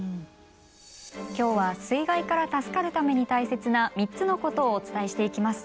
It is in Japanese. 今日は水害から助かるために大切な３つのことをお伝えしていきます。